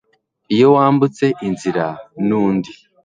iyo wambutse inzira nundi